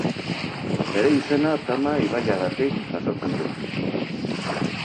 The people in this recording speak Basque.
Bere izena Tama ibaiagatik jasotzen du.